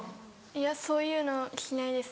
いやそういうのしないです。